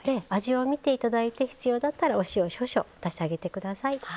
味を見て頂いて必要だったらお塩を少々足してあげて下さい。